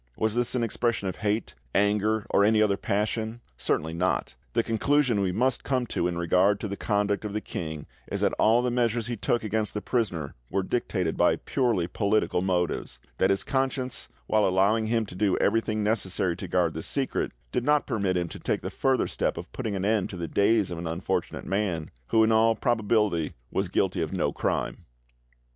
Was this an expression of hate, anger, or any other passion? Certainly not; the conclusion we must come to in regard to the conduct of the king is that all the measures he took against the prisoner were dictated by purely political motives; that his conscience, while allowing him to do everything necessary to guard the secret, did not permit him to take the further step of putting an end to the days of an unfortunate man, who in all probability was guilty of no crime.